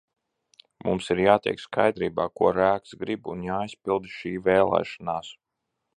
Mums ir jātiek skaidrībā, ko rēgs grib, un jāizpilda šī vēlēšanās!